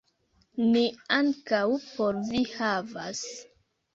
Ni ankaŭ por vi havas